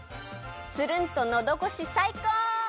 つるんとのどごしさいこう！